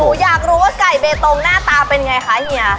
อยากรู้ว่าไก่เบตงหน้าตาเป็นไงคะเฮีย